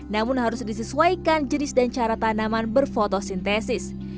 namun harus disesuaikan jenis dan cara tanaman berfotosintesis